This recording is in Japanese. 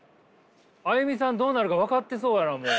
ＡＹＵＭＩさんどうなるか分かってそうやなもう。